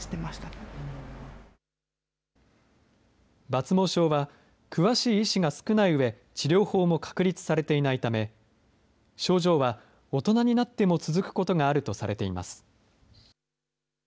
抜毛症は、詳しい医師が少ないうえ、治療法も確立されていないため、症状は大人になっても続くことがあるとされています。